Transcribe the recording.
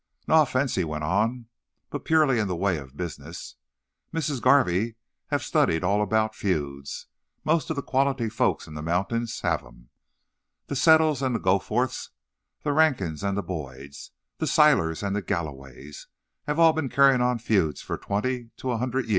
"Na offense," he went on "but purely in the way of business. Missis Garvey hev studied all about feuds. Most of the quality folks in the mountains hev 'em. The Settles and the Goforths, the Rankins and the Boyds, the Silers and the Galloways, hev all been cyarin' on feuds f'om twenty to a hundred year.